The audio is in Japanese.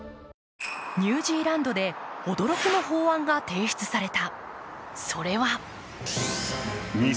ニュージーランドで驚きの法案が提出された。